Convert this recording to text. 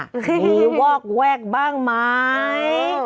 มีวอกแวกบ้างไหม